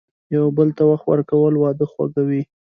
یو بل ته وخت ورکول، واده خوږوي.